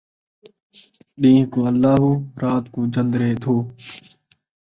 ݙین٘ہہ کوں اللہ ہو ، رات کوں جن٘درے دھو